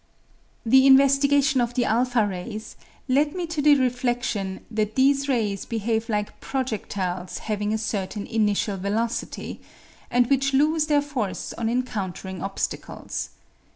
The investigation of the o rays led me to the refledion that these rays behave like projediles having a certain initial velocity, and which lose their force on encountering obstacles.